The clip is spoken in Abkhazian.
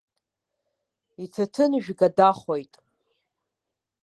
Иҭаҭынжәга дахоит.